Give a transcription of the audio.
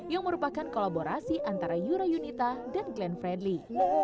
yang merupakan kolaborasi antara yura yunita dan glenn fredly